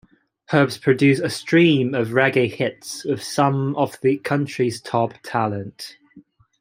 Herbs produced a stream of reggae hits with some of the country's top talent.